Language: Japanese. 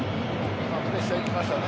今プレッシャーに行きましたね。